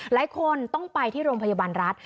หลายคนต้องไปที่โรงพยาบาลรัฐ